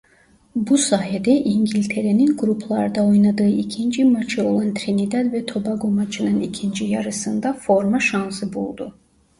Bu sayede İngiltere'nin gruplarda oynadığı ikinci maçı olan Trinidad ve Tobago maçının ikinci yarısında forma şansı buldu.